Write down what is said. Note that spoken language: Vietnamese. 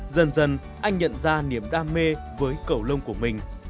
dần dần anh nhận ra niềm đam mê với cẩu lông của mình